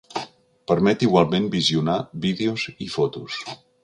Permet igualment visionar vídeos i fotos.